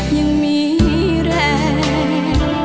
ยังมีแรง